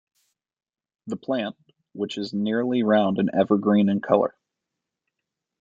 The plant which is nearly round and evergreen in color.